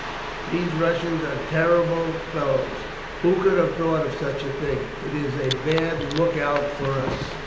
_ these Russians are terrible fellows. Who could have thought of such a thing? It is a bad look out for us."